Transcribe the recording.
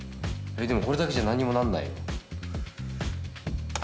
でもこれだけじゃなんにもなんないよ。